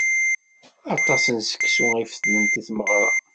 Aṭas n seksu i fetlent i tmeɣra.